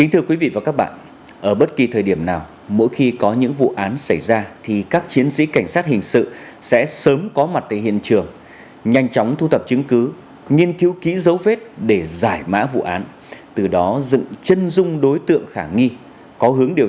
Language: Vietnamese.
hãy đăng ký kênh để ủng hộ kênh của chúng mình nhé